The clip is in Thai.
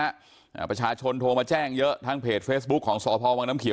อ่าประชาชนโทรมาแจ้งเยอะทางเพจเฟซบุ๊คของสพวังน้ำเขียว